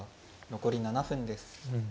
残り７分です。